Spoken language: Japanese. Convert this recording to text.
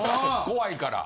怖いから。